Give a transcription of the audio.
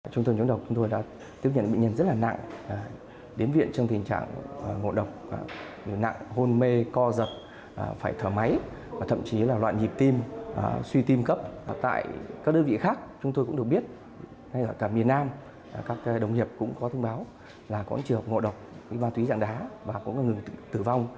trong thời gian các đồng nghiệp cũng có thông báo là có trường hợp ngộ độc ma túy dạng đá và có người tử vong